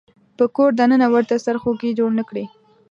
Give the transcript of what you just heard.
په کور د ننه ورته سرخوږی جوړ نه کړي.